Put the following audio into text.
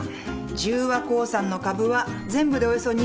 十和興産の株は全部でおよそ２，５００万株。